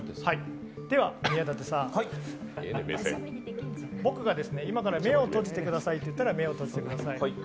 では宮舘さん、僕が今から目を閉じてくださいと言ったら目を閉じてください。